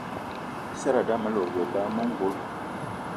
I seradé ame lòdgì eba eme ongolo.